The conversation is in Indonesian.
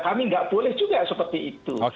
kami nggak boleh juga seperti itu